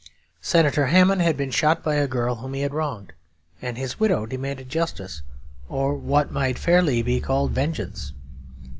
Senator Hamon had been shot by a girl whom he had wronged, and his widow demanded justice, or what might fairly be called vengeance.